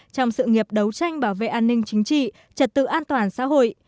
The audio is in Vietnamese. trong sự nghiệp đấu tranh bảo vệ an ninh chính trị trật tự an toàn xã hội